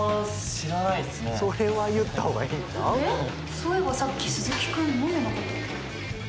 そういえばさっきすずき君飲んでなかったっけ？